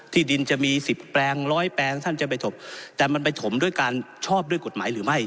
ที่ดินจะมีสิบแปลงร้อยแปลงท่านจะไปถมแต่มันไปถมด้วยการชอบด้วยกฎหมายหรือไม่